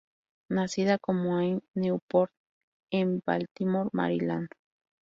Nacida como Anne Newport en Baltimore, Maryland.